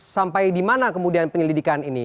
sampai di mana kemudian penyelidikan ini